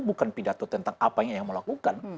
bukan pidato tentang apanya yang mau lakukan